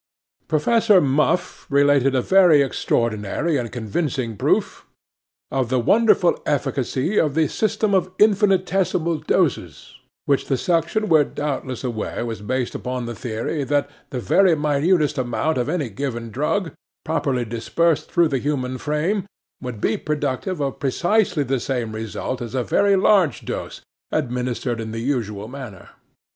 'PROFESSOR MUFF related a very extraordinary and convincing proof of the wonderful efficacy of the system of infinitesimal doses, which the section were doubtless aware was based upon the theory that the very minutest amount of any given drug, properly dispersed through the human frame, would be productive of precisely the same result as a very large dose administered in the usual manner.